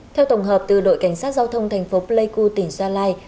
theo tổng hợp từ đội cảnh sát giao thông thành phố pleiku tỉnh gia lai